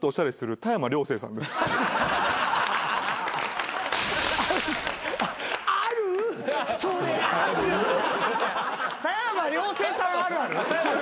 田山涼成さんあるある？